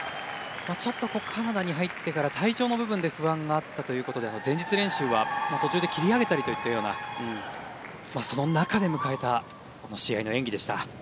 ちょっとカナダに入ってから体調の部分で不安があったということで前日練習は途中で切り上げたりといったようなその中で迎えたこの試合の演技でした。